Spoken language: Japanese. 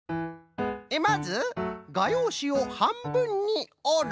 まずがようしをはんぶんにおる。